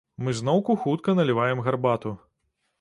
Мы зноўку хутка наліваем гарбату.